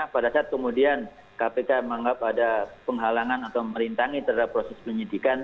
pada saat kemudian kpk menganggap ada penghalangan atau merintangi terhadap proses penyidikan